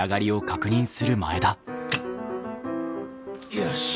よし。